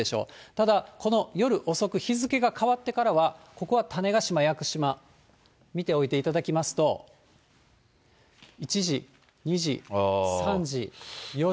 ただ、この夜遅く、日付が変わってからは、ここは種子島・屋久島、見ておいていただきますと、１時、２時、３時、４時。